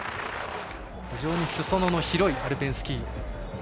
非常に裾野の広いアルペンスキー。